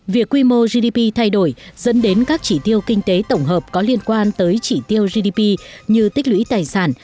việc quy mô gdp thay đổi dẫn đến các chỉ tiêu kinh tế tổng hợp có liên quan tới chỉ tiêu gdp như tích lũy tài sản